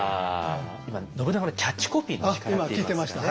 今信長のキャッチコピーの力といいますかね。